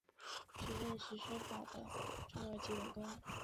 是练习书法的重要基本功。